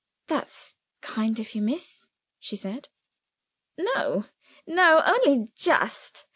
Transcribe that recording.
"That's kind of you, miss," she said. "No, no, only just.